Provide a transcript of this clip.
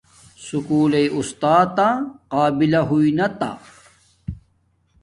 سکُول لݵ آستاتا قابلہ ہونتا